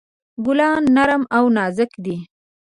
ګلان نرم او نازک دي.